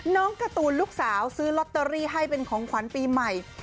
การ์ตูนลูกสาวซื้อลอตเตอรี่ให้เป็นของขวัญปีใหม่